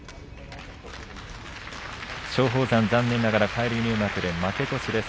松鳳山、残念ながら返り入幕で負け越しです。